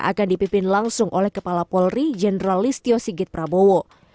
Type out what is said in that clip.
akan dipimpin langsung oleh kepala polri jenderal listio sigit prabowo